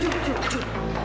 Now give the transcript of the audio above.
cukup cukup cukup cukup